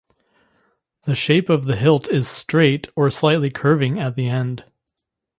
The shape of the hilt is straight or slightly curving at the end.